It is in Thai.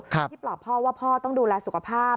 ที่ปลอบพ่อว่าพ่อต้องดูแลสุขภาพ